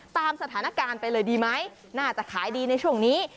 ตามสถานการณ์ไปเลยดีไหมน่าจะขายดีในช่วงนี้